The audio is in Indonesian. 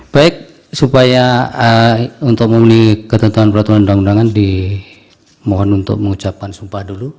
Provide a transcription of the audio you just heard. baik supaya untuk memenuhi ketentuan peraturan undang undangan dimohon untuk mengucapkan sumpah dulu